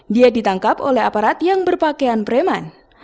dia ditangkap oleh aparat yang berpakaian preman